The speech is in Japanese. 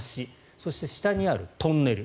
そして、下にあるトンネル